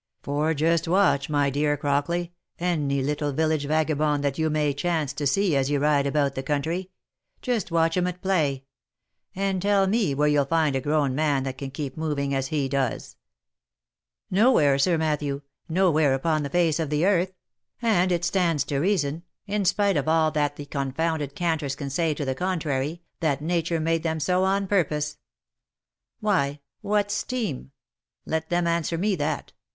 For just watch, my dear Crockley, any little village vagabond that you may chance to see as you ride about the country — just watch him at play; and tell me where you'll find a grown man that can keep moving as he does V 9 " Nowhere, Sir Matthew, nowhere upon the face of the earth ; and it stands to reason, in spite of all that the confounded canters can say to the contrary, that nature made them so on purpose. Why, what's steam ?— Let them answer me that.